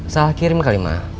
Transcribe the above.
salah kirim kali mah